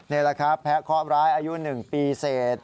นี่แหละครับแพะขอบร้ายอายุ๑ปีเสร็จ